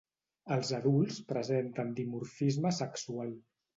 Els adults presenten dimorfisme sexual.